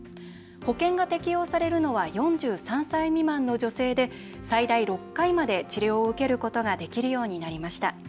保険が適用されるのは４３歳未満の女性で最大６回まで治療を受けることができるようになりました。